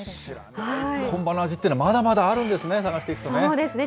本場の味っていうのは、まだまだあるんですね、探していくとね。